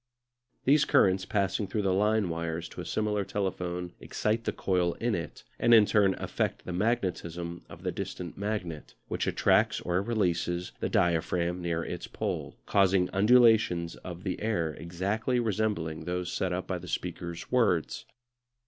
These currents passing through the line wires to a similar telephone excite the coil in it, and in turn affect the magnetism of the distant magnet, which attracts or releases the diaphragm near its pole, causing undulations of the air exactly resembling those set up by the speaker's words.